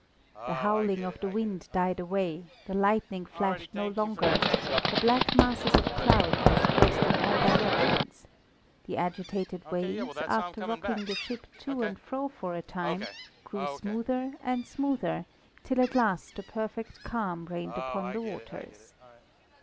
The howling of the wind died away; the lightning flashed no longer; the black masses of cloud dispersed in all directions; the agitated waves, after rocking the ship to and fro for a time, grew smoother and smoother, till at last a perfect calm reigned upon the waters.